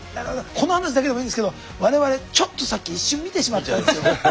この話だけでもいいんですけど我々ちょっとさっき一瞬見てしまったんですよ。